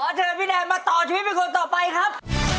เชิญพี่แนนมาต่อชีวิตเป็นคนต่อไปครับ